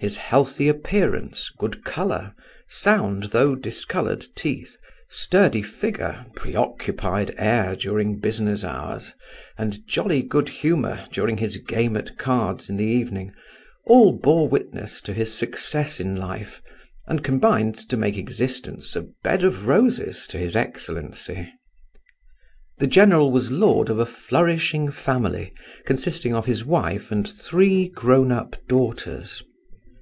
His healthy appearance, good colour, sound, though discoloured teeth, sturdy figure, preoccupied air during business hours, and jolly good humour during his game at cards in the evening, all bore witness to his success in life, and combined to make existence a bed of roses to his excellency. The general was lord of a flourishing family, consisting of his wife and three grown up daughters.